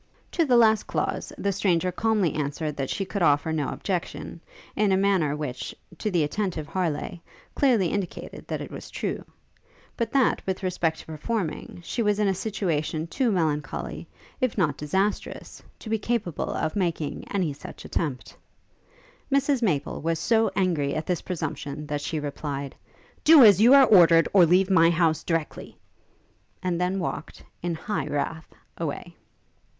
To the last clause, the stranger calmly answered that she could offer no objection, in a manner which, to the attentive Harleigh, clearly indicated that it was true; but that, with respect to performing, she was in a situation too melancholy, if not disastrous, to be capable of making any such attempt. Mrs Maple was so angry at this presumption, that she replied, 'Do as you are ordered, or leave my house directly!' and then walked, in high wrath, away.